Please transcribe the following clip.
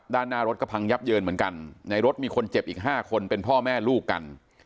ด้านหน้ารถก็พังยับเยินเหมือนกันในรถมีคนเจ็บอีก๕คนเป็นพ่อแม่ลูกกัน